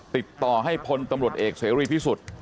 ติดต่อให้ผลตำรวจเอกเสร็จวิทย์ที่สุด